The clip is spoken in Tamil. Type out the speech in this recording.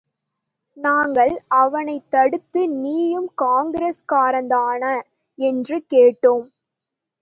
நாங்கள் அவனைத்தடுத்து, நீயும் காங்கிரஸ்காரன்தானா? என்று கேட்டோம்.